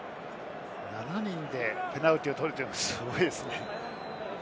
７人でペナルティーを取るというのはすごいですね。